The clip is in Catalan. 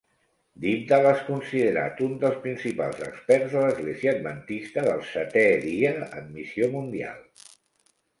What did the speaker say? Dybdahl és considerat un dels principals experts de l'Església Adventista del Setè Dia en missió mundial.